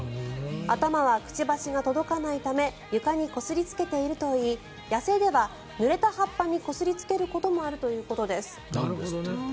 頭はくちばしが届かないため床にこすりつけているといい野生では、ぬれた葉っぱにこすりつけることもあるということです。